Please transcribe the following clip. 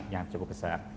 yang cukup besar